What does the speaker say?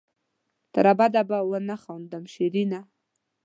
تر ابده به ونه خاندم شېرينه